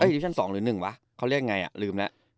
ดิวิชั่น๒หรือ๑วะเขาเรียกไงลืมแล้ว